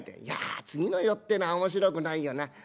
「いや次の世ってのは面白くないよな。